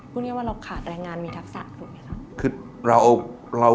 คุณคิดว่าเราขาดแรงงานมีทักษะหรือไม่ครับ